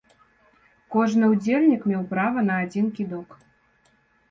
Кожны ўдзельнік меў права на адзін кідок.